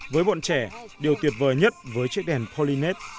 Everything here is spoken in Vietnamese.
với bọn trẻ điều tuyệt vời nhất với chiếc đèn polymette